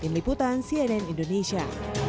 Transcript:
tim liputan cnn indonesia